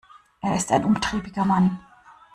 Er ist ein umtriebiger Mann.